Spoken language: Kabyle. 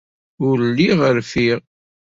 Ur lliɣ rfiɣ.